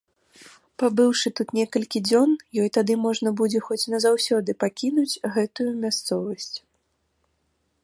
Пабыўшы тут некалькі дзён, ёй тады можна будзе хоць назаўсёды пакінуць гэтую мясцовасць.